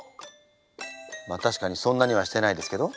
まっ確かにそんなにはしてないですけど。